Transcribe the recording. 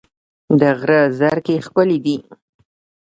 د غره زرکې ښکلې دي